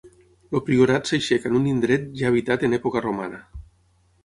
El priorat s'aixeca en un indret ja habitat en època romana.